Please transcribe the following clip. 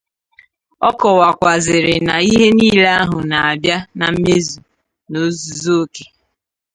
Ọ kọwàkwàzịrị na ihe niile ahụ na-abịa na mmezu n'ozuzuoke